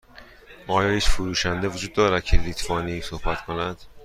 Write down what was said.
آیا هیچ فروشنده وجود دارد که لیتوانی صحبت کند؟